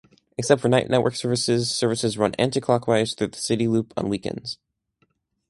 Except for night network services, services run anticlockwise through the City Loop on weekends.